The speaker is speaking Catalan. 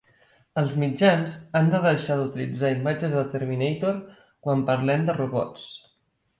Els mitjans han de deixar d'utilitzar imatges de Terminator quan parlem de robots.